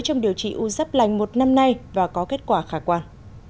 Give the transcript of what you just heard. trong điều trị u rắp lành một năm nay và có kết quả khả quan